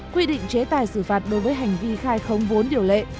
quy định chế tài xử phạt đối với hành vi khai khống vốn điều lệ